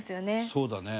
そうだね。